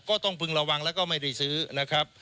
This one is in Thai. พึงระวังแล้วก็ไม่ได้ซื้อนะครับ